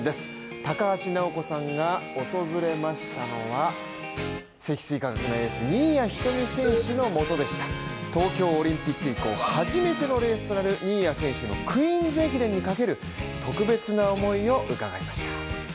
高橋尚子さんが訪れましたのは、積水化学のエース・新谷仁美選手のもとでした東京オリンピック以降初めてのレースとなる新谷選手のクイーンズ駅伝にかける特別な思いを伺いました。